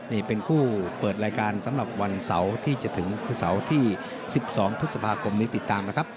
นี่เป็นคู่เปิดรายการสำหรับศาลที่จะถึง๑๒พฤษภาคมนี่ติดตามครับ